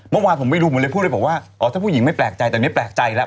เมื่อวานผมไม่รู้หมดเลยพูดเลยบอกว่าอ๋อถ้าผู้หญิงไม่แปลกใจตอนนี้แปลกใจแล้ว